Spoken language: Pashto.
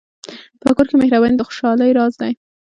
په کور کې مهرباني د خوشحالۍ راز دی.